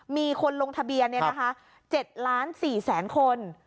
มีคนลงทะเบียน๗๔ล้านคน